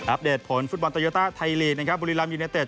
อัปเดตผลฟุตบอลตอยอต้าไทยลีกบุรีรัมป์ยูเนตเตส